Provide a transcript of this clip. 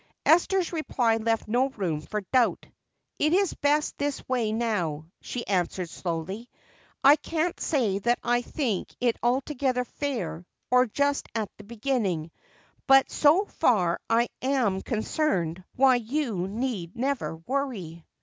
Esther's reply left no room for doubt. "It is best this way now," she answered slowly. "I can't say that I think it altogether fair or just at the beginning. But so far as I am concerned, why you need never worry."